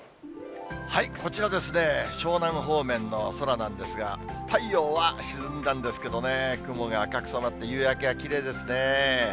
こちらですね、湘南方面の空なんですが、太陽は沈んだんですけどね、雲が赤く染まって、夕焼けがきれいですね。